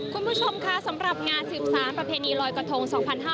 คุณผู้ชมคะสำหรับงานสืบสารประเพณีลอยกระทง๒๕๕๙